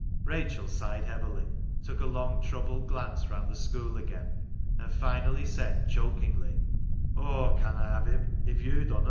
Rachel sighed heavily, took a long troubled glance round the school again, and finally said, chokingly —^^ Aw conna have him if yo' dunna."